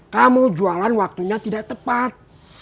kamu jualan waktunya tidak tepat